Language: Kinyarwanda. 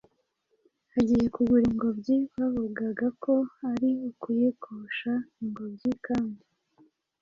agiye kugura ingobyi. Bavugaga ko ari ukuyikosha. Ingobyi kandi